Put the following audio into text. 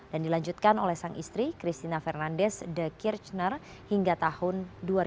dan dilanjutkan oleh sang istri christina fernandez de kirchner hingga tahun dua ribu lima belas